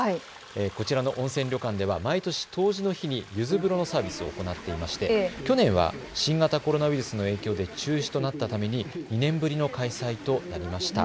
こちらの温泉旅館では毎年冬至の日にゆず風呂のサービスを行っていまして去年は新型コロナウイルスの影響で中止となったために２年ぶりの開催となりました。